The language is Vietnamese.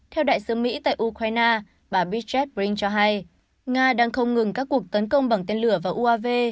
theo đại sứ mỹ tại ukraine bà bichette brink cho hay nga đang không ngừng các cuộc tấn công bằng tên lửa và uav